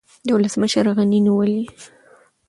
د ولسمشر غني نیولې